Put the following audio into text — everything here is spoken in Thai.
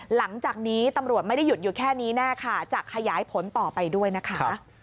หลังจากนี้ตำรวจไม่ได้หยุดอยู่แค่นี้แน่ค่ะจะขยายผลต่อไปด้วยนะคะ